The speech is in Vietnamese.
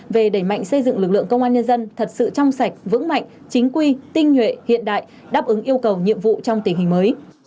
về đẩy mạnh xây dựng lực lượng công an nhân dân thật sự trong sạch vững mạnh chính quy tinh nhuệ hiện đại đáp ứng yêu cầu nhiệm vụ trong tình hình mới